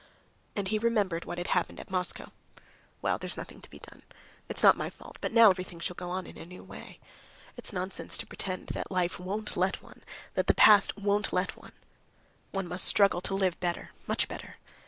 And he remembered what had happened at Moscow.... "Well, there's nothing to be done.... It's not my fault. But now everything shall go on in a new way. It's nonsense to pretend that life won't let one, that the past won't let one. One must struggle to live better, much better."...